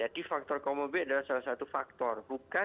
jadi faktor comorbid adalah salah satu faktor